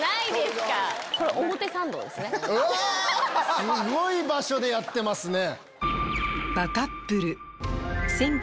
すごい場所でやってますね。